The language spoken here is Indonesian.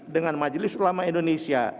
dengan majelis ulama indonesia